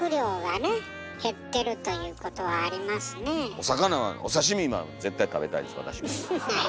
お魚はお刺身は絶対食べたいです私も。